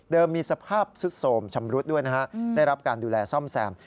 มีสภาพสุดโสมชำรุดด้วยนะฮะได้รับการดูแลซ่อมแซม